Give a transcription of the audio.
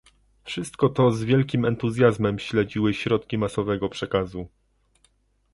Wszystko to z wielkim entuzjazmem śledziły środki masowego przekazu